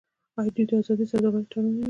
آیا دوی د ازادې سوداګرۍ تړون نلري؟